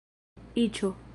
iĉo